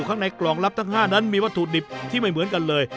ข้างในกล่องลับทั้ง๕นั้นมีวัตถุดิบที่ไม่เหมือนกันเลย